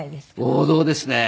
王道ですね。